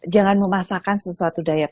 jangan memasakkan sesuatu diet